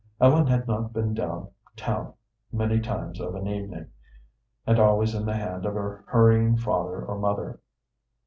Ellen had not been down town many times of an evening, and always in hand of her hurrying father or mother.